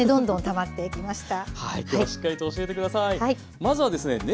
まずはですね